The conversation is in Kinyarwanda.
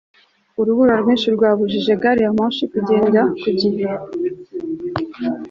urubura rwinshi rwabujije gari ya moshi kugenda ku gihe